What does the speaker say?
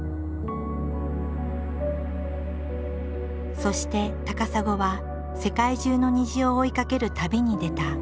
そして高砂は世界中の虹を追いかける旅に出た。